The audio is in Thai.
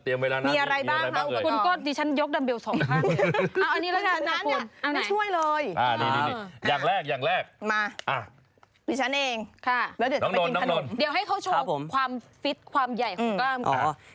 ออกกำลังกายก่อนออกกำลังกายก่อนออกกำลังกายก่อนออกกำลังกายก่อน